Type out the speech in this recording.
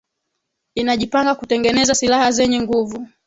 inajipanga kutengeneza silaha zenye nguvu